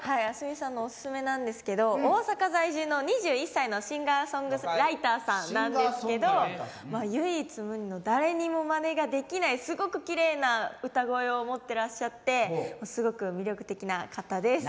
ａｓｍｉさんのオススメなんですけど大阪在住の２１歳のシンガーソングライターさんなんですけど唯一無二の誰にもまねができないすごくきれいな歌声を持ってらっしゃってすごく魅力的な方です。